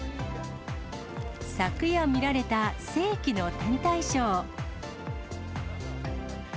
昨夜見られた世紀の天体ショー。